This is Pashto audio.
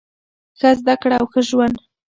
ښه زده کړه او ښه ژوند.